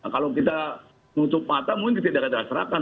kalau kita nutup mata mungkin tidak terlaksakan